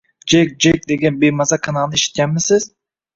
Jek – Jek degan bemaza kanalni eshitganimsiz?🤦♂